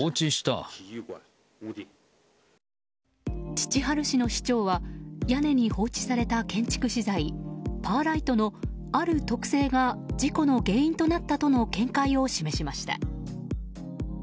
チチハル市の市長は屋根に放置された建築資材、パーライトのある特性が事故の原因となったとの見解を示しました。